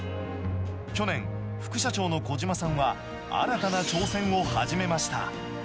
去年、副社長の小島さんは、新たな挑戦を始めました。